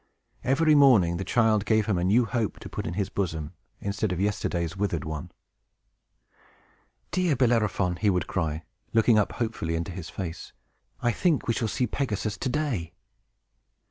Every morning the child gave him a new hope to put in his bosom, instead of yesterday's withered one. "Dear Bellerophon," he would cry, looking up hopefully into his face, "I think we shall see Pegasus to day!"